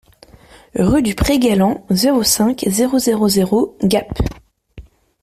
Rue du Pré Galland, zéro cinq, zéro zéro zéro Gap